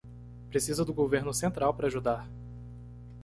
Precisa do governo central para ajudar